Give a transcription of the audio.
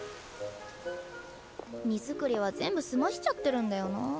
荷造りは全部済ましちゃってるんだよなあ。